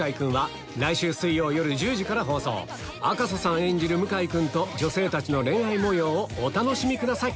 出演赤楚さん演じる向井君と女性たちの恋愛模様をお楽しみください